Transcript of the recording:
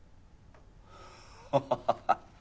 ハハハハ。